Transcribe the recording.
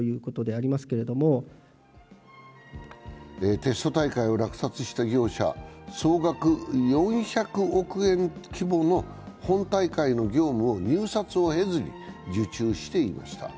テスト大会を落札した業者は総額４００億円規模の本大会の業務を入札を経ずに受注していました。